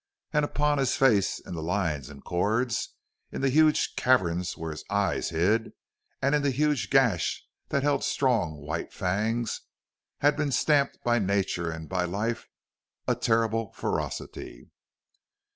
And upon his face, in the lines and cords, in the huge caverns where his eyes hid, and in the huge gash that held strong, white fangs, had been stamped by nature and by life a terrible ferocity.